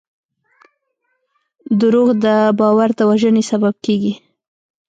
دروغ د باور د وژنې سبب کېږي.